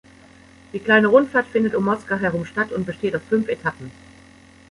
Die kleine Rundfahrt findet um Moskau herum statt und besteht aus fünf Etappen.